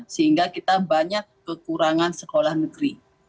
sehingga kita banyak kekurangan sekolah negeri